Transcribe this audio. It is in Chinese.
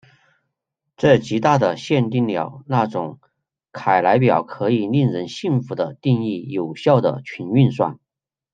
这极大的限定了那种凯莱表可以令人信服的定义有效的群运算。